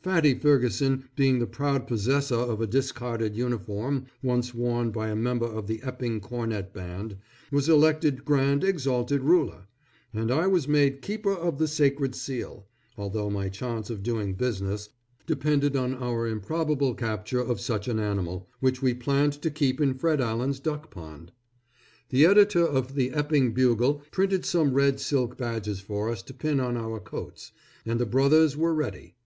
Fatty Ferguson being the proud possessor of a discarded uniform once worn by a member of the Epping Cornet Band, was elected Grand Exalted Ruler, and I was made Keeper of the Sacred Seal, although my chance of doing business, depended on our improbable capture of such an animal, which we planned to keep in Fred Allen's duck pond. The editor of the Epping Bugle printed some red silk badges for us to pin on our coats, and the Brothers were ready.